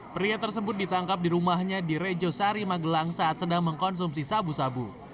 pria tersebut ditangkap di rumahnya di rejo sari magelang saat sedang mengkonsumsi sabu sabu